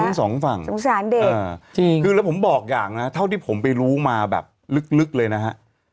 ทั้งสองฝั่งสงสารเด็กจริงคือแล้วผมบอกอย่างนะเท่าที่ผมไปรู้มาแบบลึกเลยนะฮะ